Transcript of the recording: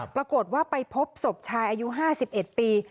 ปรากฏว่าไปพบศพชายอายุ๕๑ปี